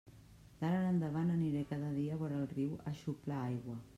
D'ara en avant aniré cada dia vora el riu a xuplar aigua.